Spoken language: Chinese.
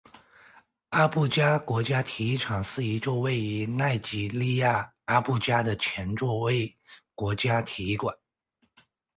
阿布加国家体育场是一座位于奈及利亚阿布加的全座位国家体育场。